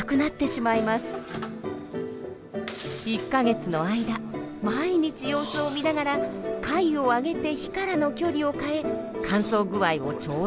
１か月の間毎日様子を見ながら階を上げて火からの距離を変え乾燥具合を調整していくのです。